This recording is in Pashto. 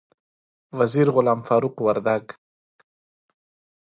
وزیر غلام فاروق وردک